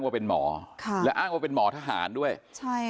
การทำให้มันตามกฎหมายจะพูดมาก